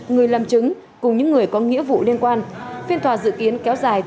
người làm chứng cùng những người có nghĩa vụ liên quan phiên tòa dự kiến kéo dài từ bốn đến năm ngày